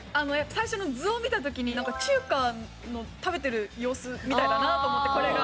最初の図を見た時に中華の食べてる様子みたいだなと思ってこれが。